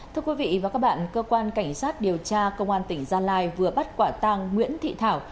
thưa quý vị và các bạn cơ quan cảnh sát điều tra công an tỉnh gia lai vừa bắt quả tàng nguyễn thị thảo